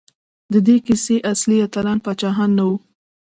د دې کیسو اصلي اتلان پاچاهان نه وو.